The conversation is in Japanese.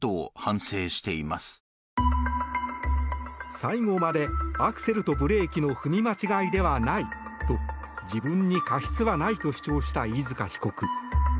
最後までアクセルとブレーキの踏み間違いではないと自分に過失はないと主張した飯塚被告。